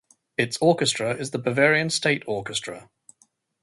Its orchestra is the Bavarian State Orchestra.